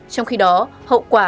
trong khi đó hậu quả